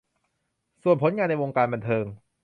ส่วนผลงานในวงการบันเทิง